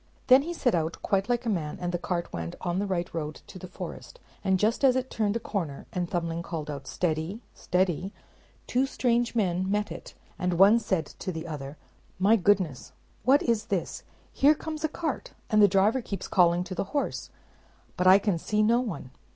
Then he set out quite like a man, and the cart went on the right road to the forest; and just as it turned a corner, and Thumbling called out "Steady, steady," two strange men met it; and one said to the other, "My goodness, what is this? Here comes a cart, and the driver keeps calling to the horse; but I can see no one."